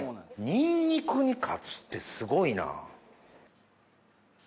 ニンニクに勝つってすごいな。